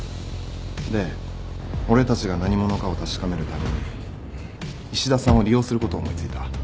で俺たちが何者かを確かめるために石田さんを利用することを思い付いた。